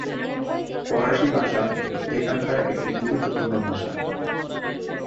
ফরাসি ভাষা এখানকার একটি গুরুত্বপূর্ণ ভাষা।